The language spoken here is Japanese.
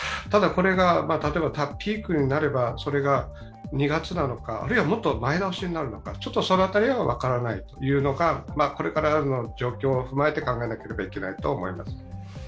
ただ、これが例えばピークになればそれが２月なのか、あるいはもっと前倒しになるのか、その辺りは分からないというのがこれからの状況を踏まえて考えなければいけないと思います。